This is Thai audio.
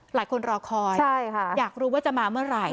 หลายคนรอคอยใช่ค่ะอยากรู้ว่าจะมาเมื่อไหร่